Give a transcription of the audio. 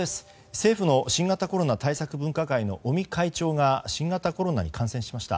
政府の新型コロナ対策分科会の尾身会長が新型コロナに感染しました。